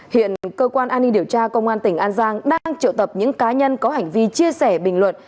hiện cơ quan an ninh điều tra công an tỉnh an giang đang triệu tập những cá nhân có hành vi chia sẻ bình luận